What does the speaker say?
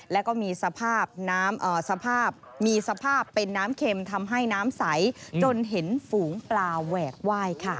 แล้วก็มีสภาพมีสภาพเป็นน้ำเข็มทำให้น้ำใสจนเห็นฝูงปลาแหวกไหว้ค่ะ